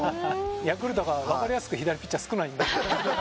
ヤクルト、分かりやすく左ピッチャー少ない。